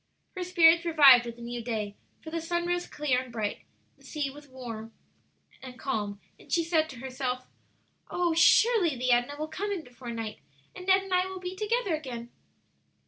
Her spirits revived with the new day, for the sun rose clear and bright, the sea was calm, and she said to herself, "Oh, surely the Edna will come in before night, and Ned and I will be together again!"